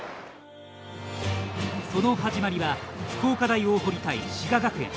その始まりは福岡大大濠対滋賀学園。